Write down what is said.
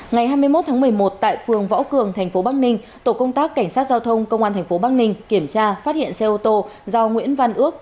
ngày hai mươi một tháng một mươi một tại phường võ cường tp bắc ninh tổ công tác cảnh sát giao thông công an tp bắc ninh kiểm tra phát hiện xe ô tô do nguyễn văn ước